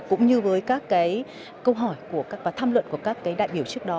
cũng như với các câu hỏi và tham luận của các đại biểu trước đó